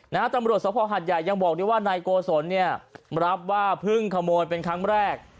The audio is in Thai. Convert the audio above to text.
ตำรวจสภหัดใหญ่ยังบอกด้วยว่านายโกศลเนี่ยรับว่าเพิ่งขโมยเป็นครั้งแรก